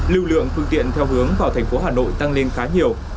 lưu lượng phương tiện theo hướng vào thành phố hà nội tăng lên khá nhiều